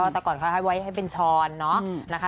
แต่ก่อนเขาให้ไว้ให้เป็นช้อนเนาะนะคะ